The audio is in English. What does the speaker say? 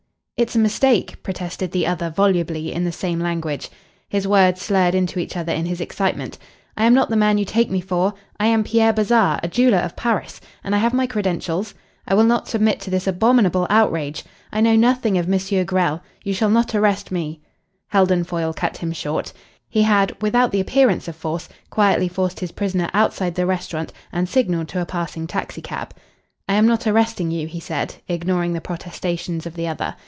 "It's a mistake," protested the other volubly in the same language. His words slurred into each other in his excitement. "I am not the man you take me for. I am Pierre Bazarre, a jeweller of Paris, and I have my credentials. I will not submit to this abominable outrage. I know nothing of M. Grell; you shall not arrest me " Heldon Foyle cut him short. He had, without the appearance of force, quietly forced his prisoner outside the restaurant and signalled to a passing taxicab. "I am not arresting you," he said, ignoring the protestations of the other.